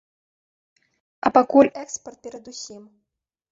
А пакуль экспарт перад усім.